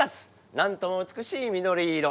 なんとも美しい緑色。